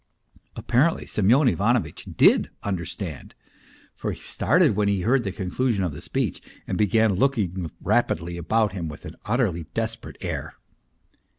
" Apparently Semyon Ivanovitch did understand, for he stai when he heard the conclusion of the speech, and began looking rapidly about him with an utterly desperate air.